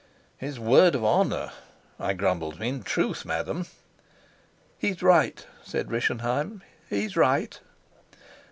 "His word of honor!" I grumbled. "In truth, madam " "He's right," said Rischenheim; "he's right."